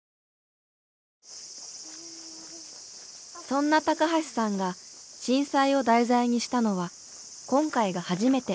そんな橋さんが震災を題材にしたのは今回が初めて。